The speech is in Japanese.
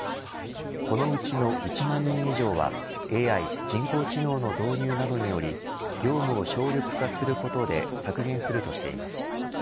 このうちの１万人以上はＡＩ人工知能の導入などにより業務を省力化することで削減するとしています。